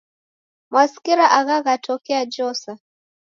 Mwasikira agha ghatokea Josa?